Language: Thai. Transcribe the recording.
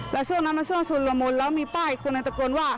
แล้วช่วงนั้นมันช่วงชนละมนต์แล้วมีป้ายคนอันตรกลว่า